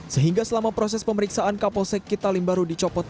sehingga selama proses pemeriksaan kapolsek kitalimbaru dicopot